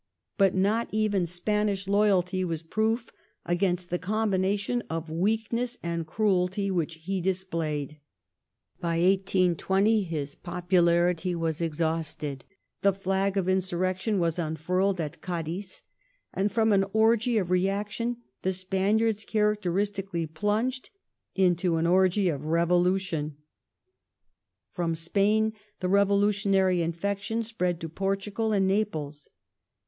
But not even Spanish loyalty was proof against the combination of weakness and cruelty ^ which he displayed. By 1820 his popularity was exhausted ; the flag of insurrection was unfurled at Cadiz, and from an orgy of reaction the Spaniards characteristically plunged into an orgy of revolution. From Spain the revolutionary infection spread to ^Portugal and Naples.